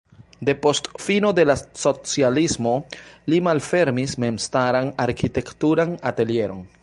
Depost fino de la socialismo li malfermis memstaran arkitekturan atelieron.